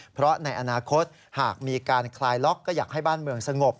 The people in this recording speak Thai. เพราะในอนาคตหากมีการคลายล็อกก็อยากให้บ้านเมืองสงบ